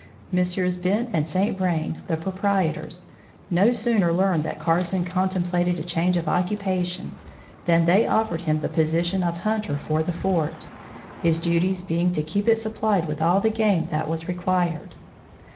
Messrs. Bent and St. Vrain, the proprietors, no sooner learned that Carson contemplated a change of occupation, than they offered him the position of hunter for the fort, his duties being to keep it supplied with all the game that was required.